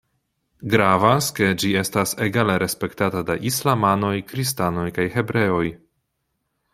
Gravas, ke ĝi estas egale respektata de islamanoj, kristanoj kaj hebreoj.